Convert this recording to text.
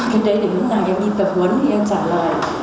cái đấy để lúc nào em đi tập huấn thì em trả lời